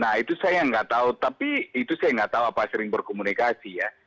nah itu saya nggak tahu tapi itu saya nggak tahu apa sering berkomunikasi ya